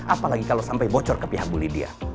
apalagi kalau sampai bocor ke pihak bu lydia